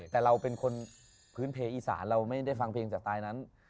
แต่เราเป็นคนพื้นเพอีสานเราไม่ได้ฟังเพลงจากไตล์นั้น